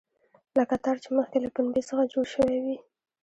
لکه تار چې مخکې له پنبې څخه جوړ شوی وي.